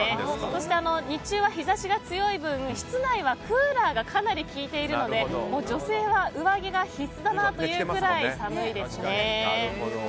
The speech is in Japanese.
そして、日中は日差しが強い分室内はクーラーがかなり効いているので女性は上着が必須だなというくらい寒いです。